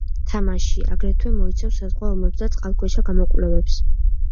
თამაში, აგრეთვე მოიცავს საზღვაო ომებს და წყალქვეშა გამოკვლევებს.